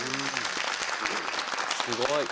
すごい。